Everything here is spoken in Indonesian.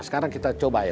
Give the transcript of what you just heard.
sekarang kita coba ya